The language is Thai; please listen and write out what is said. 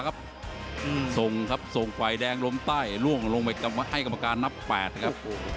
สับสอกขวาครับทรงฝ่ายแดงล้มใต้ล่วงลงไปให้กรรมการนับ๘ครับ